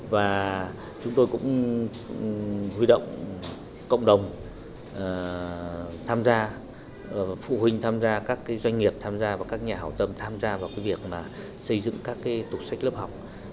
và chúng tôi cũng huy động cộng đồng tham gia phụ huynh tham gia các doanh nghiệp tham gia và các nhà hảo tâm tham gia vào cái việc mà xây dựng các tủ sách lớp học